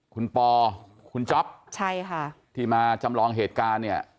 คุณปอร์คุณจ๊อปที่มาจำลองเหตุการณ์เนี่ย